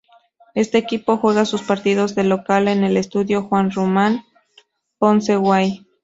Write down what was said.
Este equipo juega sus partidos de local en el Estadio Juan Ramon Ponce Guay.